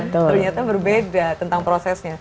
ternyata berbeda tentang prosesnya